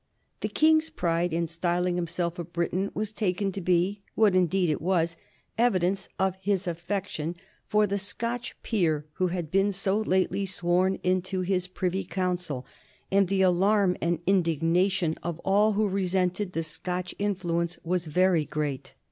The King's pride in styling himself a Briton was taken to be, what indeed it was, evidence of his affection for the Scotch peer who had been so lately sworn into his Privy Council; and the alarm and indignation of all who resented the Scotch influence was very great.